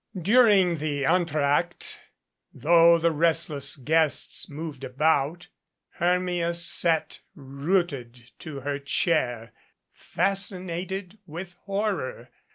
During the entr'acte, though the restless guests moved about, Hermia sat rooted to her chair, fascinated with horror.